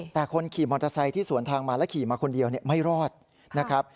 แต่คนขี่มอเตอร์ไซค์ที่สวนทางมาแล้วขี่มาคนเดียวไม่รอดนะครับ